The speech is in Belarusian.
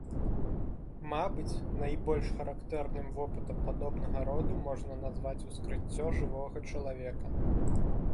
Мабыць, найбольш характэрным вопытам падобнага роду можна назваць ускрыццё жывога чалавека.